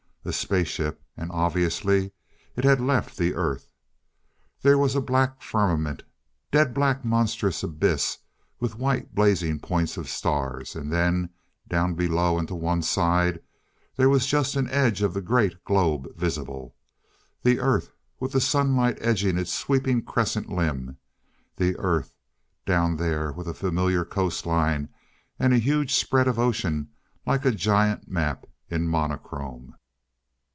A spaceship, and obviously it had left the Earth! There was a black firmament dead black monstrous abyss with white blazing points of stars. And then, down below and to one side there was just an edge of a great globe visible. The Earth, with the sunlight edging its sweeping crescent limb the Earth, down there with a familiar coastline and a huge spread of ocean like a giant map in monochrome.